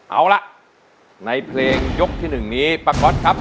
เอาละในเพลงยกที่๑นี้ป้าก๊อตครับ